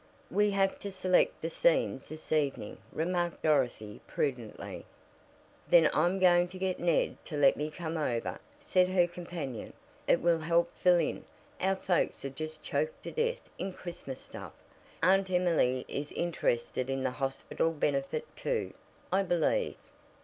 "We have to select the scenes this evening," remarked Dorothy prudently. "Then I'm going to get Ned to let me come over," said her companion. "It will help fill in; our folks are just choked to death in Christmas stuff. Aunt Emily is interested in the hospital benefit, too, I believe."